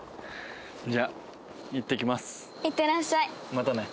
またね。